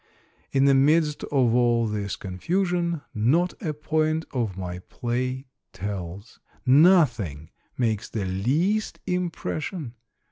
In the midst of all this confusion, not a point of my play tells, nothing makes the least impression.